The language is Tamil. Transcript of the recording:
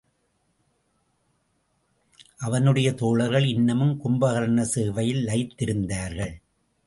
அவனுடைய தோழர்கள் இன்னமும் கும்பகர்ண சேவையில் லயித்திருந்தார்கள்.